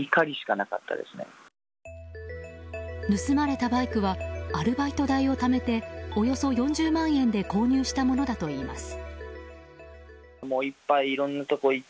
盗まれたバイクはアルバイト代をためておよそ４０万円で購入したものだといいます。